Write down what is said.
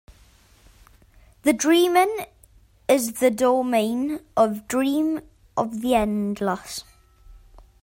The Dreaming is the domain of Dream of the Endless.